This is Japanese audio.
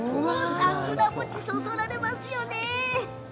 桜餅そそられます。